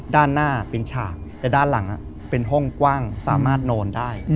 ด้านหน้าเป็นฉากแต่ด้านหลังเป็นห้องกว้างสามารถนอนได้